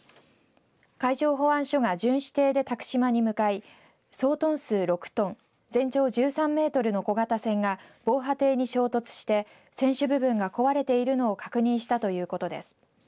海上保安署が巡視艇で度島に向かい総トン数６トン全長１３メートルの小型船が防波堤に衝突して船首部分が壊れているのを確認したということです。